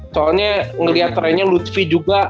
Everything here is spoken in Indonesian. soalnya ngeliat trennya ludwig juga